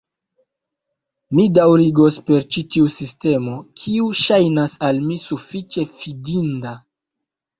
Mi daŭrigos per ĉi tiu sistemo, kiu ŝajnas al mi sufiĉe fidinda.